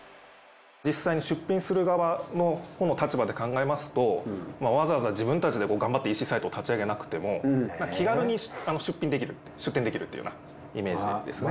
実際に出品する側のほうの立場で考えますとわざわざ自分たちで頑張ってＥＣサイトを立ち上げなくても気軽に出品できる出店できるっていうようなイメージですね。